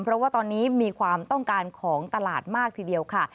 เพราะว่าตอนนี้มีความต้องการของตลาดมากทีเดียวค่ะ